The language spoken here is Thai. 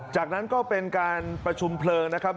จากนั้นก็เป็นการประชุมเพลิงนะครับ